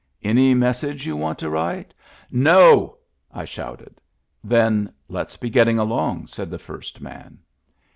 " Any message you want to write —'' "No!" I shouted. "Then let's be getting along," said the first man.